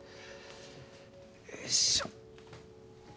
よいしょ。